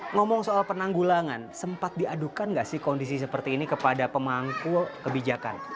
ngomong soal penanggulangan sempat diadukan nggak sih kondisi seperti ini kepada pemangku kebijakan